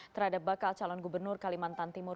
terhadap bakal calon gubernur kalimantan timur